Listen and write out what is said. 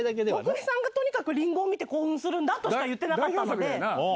徳井さんがとにかくりんごを見て興奮するんだとしか言ってなかったんで。